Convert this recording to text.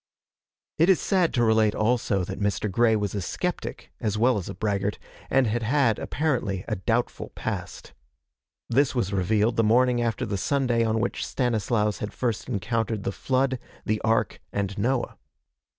It is sad to relate also that Mr. Grey was a skeptic as well as a braggart, and had had, apparently, a doubtful past. This was revealed the morning after the Sunday on which Stanislaus had first encountered the Flood, the Ark, and Noah.